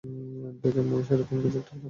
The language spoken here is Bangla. দেখে মই বা সেরকম কিছু একটা লাগছে।